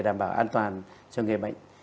để đảm bảo an toàn cho người bệnh